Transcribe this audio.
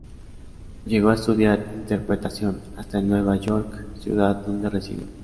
Llegó a estudiar interpretación, hasta en Nueva York, ciudad donde residió.